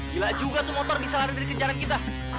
bila juga tuh motor bisa lari dari kejaran kita